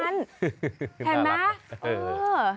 เห็นไหมเออน่ารัก